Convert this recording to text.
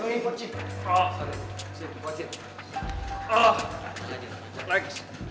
waktunya bawa di lab marine